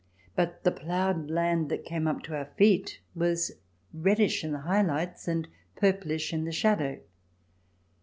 But the ploughed land that came up to our feet was reddish in the high lights and purplish in the shadow.